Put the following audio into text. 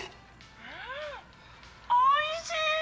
うんおいしい！